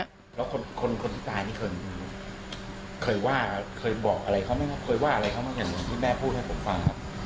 แล้วคนคนที่ตายนี่เคยเคยว่าเคยบอกอะไรเขาไหมครับเคยว่าอะไรเขาบ้างอย่างเหมือนที่แม่พูดให้ผมฟังครับ